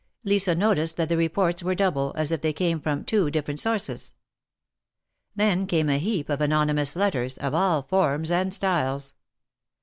Lisa noticed that the reports were double, as if they came from two different sources. Then came a heap of anonymous letters, of all forms and styles.